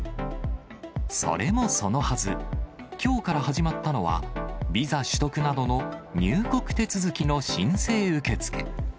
それもそのはず、きょうから始まったのは、ビザ取得などの入国手続きの申請受け付け。